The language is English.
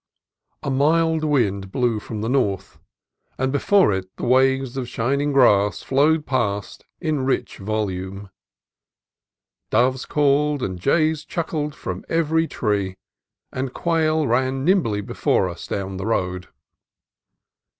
A mild wind blew from the north, and before it the waves of shining grass flowed past in rich volume. Doves called and jays chuckled from every tree, and quail ran nimbly before us down the road.